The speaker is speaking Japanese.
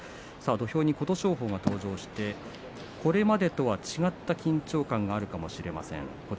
琴勝峰が登場してこれまでとは違った緊張感があるかもしれません。